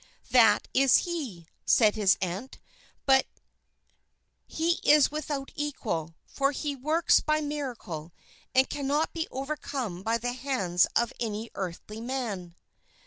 "That is he," said his aunt; "he is without equal, for he works by miracle, and cannot be overcome by the hands of any earthly man."